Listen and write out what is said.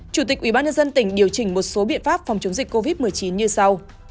chủ tịch ubnd tỉnh điều chỉnh một số biện pháp phòng chống dịch covid một mươi chín như sau